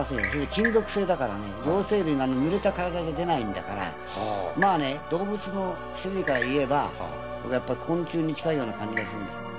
金属製だからね、両生類のぬれた体じゃ出ないんだから、まあね、動物の種類から言えば、僕はやっぱり昆虫に近いような感じがするんですね。